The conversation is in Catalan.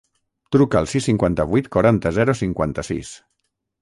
Truca al sis, cinquanta-vuit, quaranta, zero, cinquanta-sis.